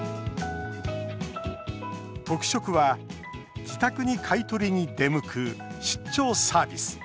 特色は自宅に買い取りに出向く出張サービス。